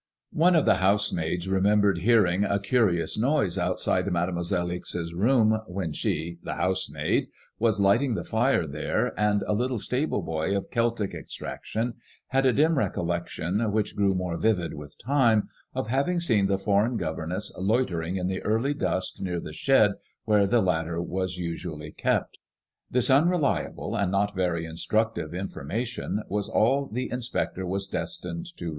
One of the housemaids remem bered hearing a curious noise outside Mademoiselle Ixe's room when she (the housemaid) was lighting the fire there, and a little stable boy of Celtic extraction had a dim recollection, which grew more vivid with time, of having seen the foreign governess loitering in the early dusk near the shed wher^ the ladder was usually kept. This unreliable and not very instructive information was all the inspector was destined to \ l8o ICADBMOISELLB IXS.